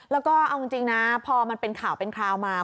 แล้วก็เอาจริงนะพอมันเป็นข่าวเป็นคราวมา